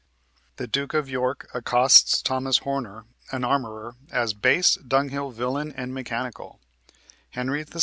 The Duke of York accosts Thomas Horner, an armorer, as "base dunghill villain and mechanical" (Henry VI.